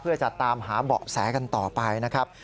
เพื่อจะตามหาเบาะแสกันต่อไปนะครับ